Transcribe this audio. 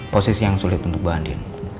posisi yang sulit untuk bu andi